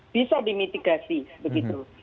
bisa dimitigasi begitu